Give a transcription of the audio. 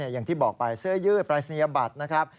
อย่างที่บอกไปเสื้อยืดปรายศนียบัตรนะครับ